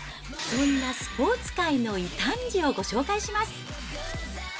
そんなスポーツ界の異端児をご紹介します。